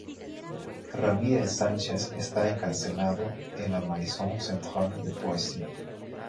Ramírez Sánchez está encarcelado en la Maison centrale de Poissy.